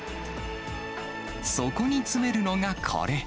そこに詰めるのがこれ。